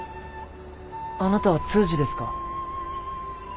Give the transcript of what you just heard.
あなたは通詞ですか？